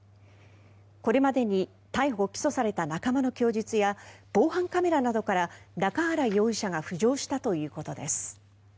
これまでに逮捕・起訴された仲間の供述や防犯カメラなどから中原容疑者が浮上したということです。